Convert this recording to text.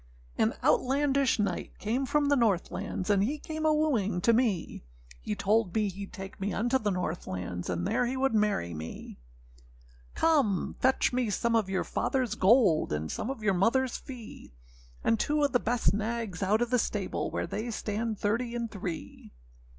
] AN Outlandish knight came from the North lands, And he came a wooing to me; He told me heâd take me unto the North lands, And there he would marry me. âCome, fetch me some of your fatherâs gold, And some of your motherâs fee; And two of the best nags out of the stable, Where they stand thirty and three.